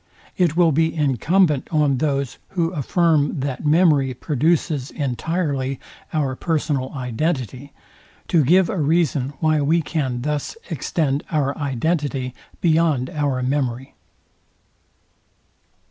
It will be incumbent on those, who affirm that memory produces entirely our personal identity, to give a reason why we can thus extend our identity beyond our memory.